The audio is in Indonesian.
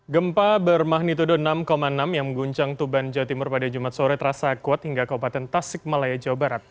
gempa bermagnitudo enam enam yang mengguncang tuban jawa timur pada jumat sore terasa kuat hingga kabupaten tasik malaya jawa barat